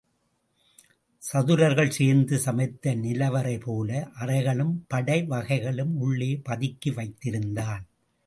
சதுரர்கள் சேர்ந்து சமைத்த நில வறை போல அறைகளும் படை வகைகளும் உள்ளே பதுக்கி வைத்திருந்தான்.